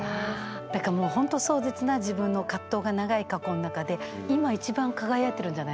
だからもうほんと壮絶な自分の葛藤が長い過去の中で今一番輝いてるんじゃないですか？